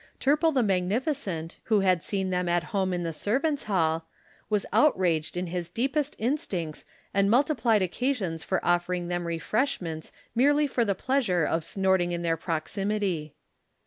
Turple the magnificent, who had seen them at home in the servants' hall, was outraged in his deepest instincts and multiplied occasions for offering them refreshments merely for the pleasure of snorting in their proximity.